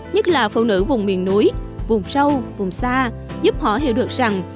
nhất là phụ nữ vùng miền núi vùng sâu vùng xa giúp họ hiểu được rằng